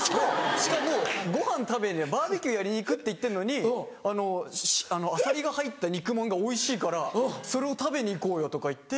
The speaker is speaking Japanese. しかもごはん食べバーベキューやりに行くって言ってんのに「アサリが入った肉まんがおいしいからそれを食べに行こうよ」とか言って。